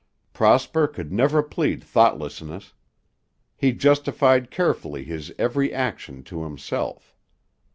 Prosper could never plead thoughtlessness. He justified carefully his every action to himself.